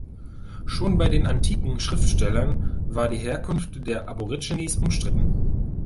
Schon bei den antiken Schriftstellern war die Herkunft der Aborigines umstritten.